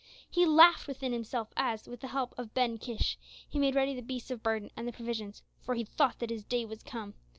He laughed within himself as, with the help of Ben Kish, he made ready the beasts of burden and the provisions, for he thought that his day was come.